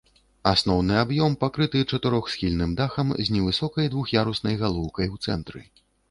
Асноўны аб'ём пакрыты чатырохсхільным дахам з невысокай двух'яруснай галоўкай у цэнтры.